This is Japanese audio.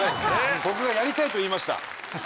僕がやりたいと言いました。